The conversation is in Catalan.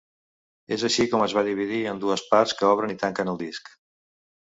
És així com es va dividir en dues parts, que obren i tanquen el disc.